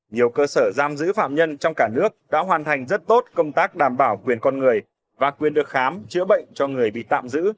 nhiều cơ sở giam giữ phạm nhân trong cả nước đã hoàn thành rất tốt công tác đảm bảo quyền con người và quyền được khám chữa bệnh cho người bị tạm giữ